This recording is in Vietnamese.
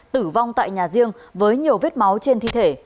tử vong tại nhà riêng với nhiều vết máu trên thi thể